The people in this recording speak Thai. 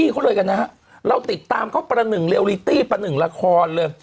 เขาเลยกันนะฮะเราติดตามเขาประหนึ่งเรียลิตี้ประหนึ่งละครเลย